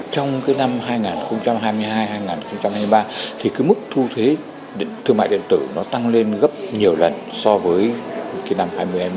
trong năm hai nghìn hai mươi hai hai nghìn hai mươi ba mức thu thuế thương mại điện tử tăng lên gấp nhiều lần so với năm hai nghìn hai mươi một